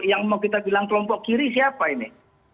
yang mau kita bilang kelompok kiri siapa ini